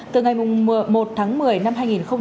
từ ngày một tháng một mươi năm hai nghìn hai mươi một